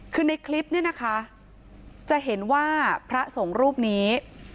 คือในคลิปเนี่ยนะคะจะเห็นว่าพระสงฆ์รูปนี้